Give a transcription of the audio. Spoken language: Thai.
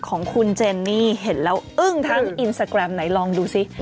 ของคุณเจนนี่เห็นแล้วอึ้งทั้งอินสตาแกรมไหนลองดูซิ